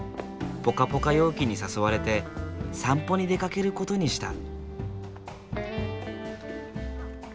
ポカポカ陽気に誘われて散歩に出かけることにした。